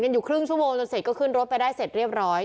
อยู่ครึ่งชั่วโมงจนเสร็จก็ขึ้นรถไปได้เสร็จเรียบร้อย